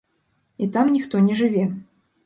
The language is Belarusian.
І там ніхто не жыве.